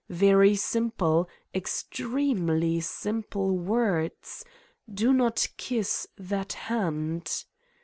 Very simple, extremely simple words: Do not kiss that hand!